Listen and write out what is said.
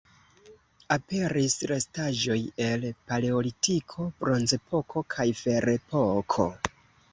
Aperis restaĵoj el Paleolitiko, Bronzepoko kaj Ferepoko.